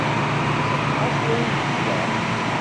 Tessetḥa s wayen tga.